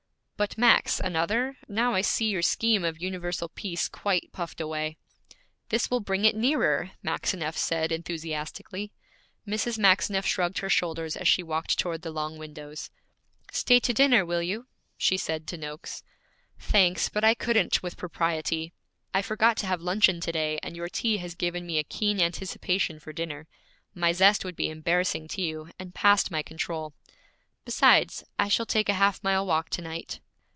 'But, Max, another? Now I see your scheme of universal peace quite puffed away!' 'This will bring it nearer!' Maxineff said enthusiastically. Mrs. Maxineff shrugged her shoulders as she walked toward the long windows. 'Stay to dinner, will you?' she said to Noakes. 'Thanks, but I couldn't with propriety. I forgot to have luncheon to day, and your tea has given me a keen anticipation for dinner; my zest would be embarrassing to you, and past my control. Besides, I shall take a half mile walk to night.'